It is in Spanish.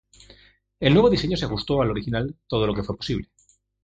El nuevo diseño se ajustó al original todo lo que fue posible.